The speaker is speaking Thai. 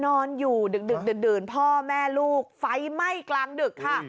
นอนอยู่ดึกดื่นพ่อแม่ลูกไฟไหม้กลางดึกค่ะ